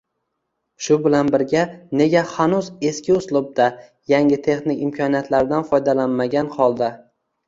Shu bilan birga, nega hanuz eski uslubda – yangi texnik imkoniyatlardan foydalanmagan holda